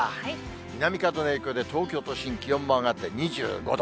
南風の影響で、東京都心、気温も上がって２５度。